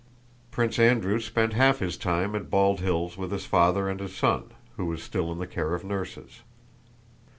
Prince Andrew spent half his time at Bald Hills with his father and his son, who was still in the care of nurses.